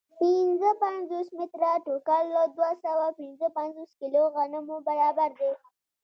پنځه پنځوس متره ټوکر له دوه سوه پنځه پنځوس کیلو غنمو برابر دی